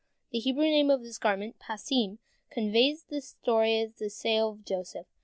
The Hebrew name of the garment, Passim, conveys the story of the sale of Joseph.